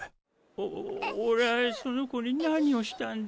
お俺はその子に何をしたんだ？